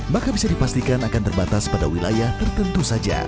maka bisa dipastikan akan terbatas pada wilayah tertentu saja